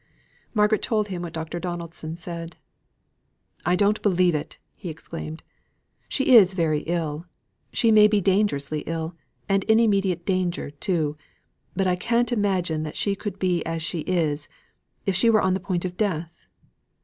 Margaret told him what Dr. Donaldson said. "I don't believe it," he exclaimed. "She is very ill; she may be dangerously ill, and in immediate danger, too; but I can't imagine that she could be as she is, if she were on the point of death.